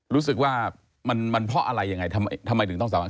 รู้สึกว่ามันเพราะอะไรยังไงทำไมถึงต้องสามารถ